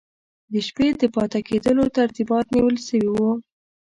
د شپې د پاته کېدلو ترتیبات نیول سوي وو.